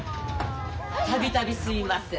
度々すいません。